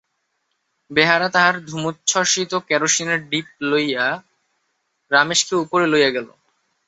বেহারা তাহার ধূমোচ্ছ্বসিত কেরোসিনের ডিপা লইয়া রমেশকে উপরে লইয়া গেল।